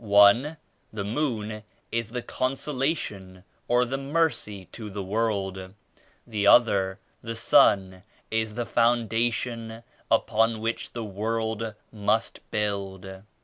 One, the 'Moon' is the consolation or the mercy to the world. The other, the 'Sun' is the foundation upon which the world must build.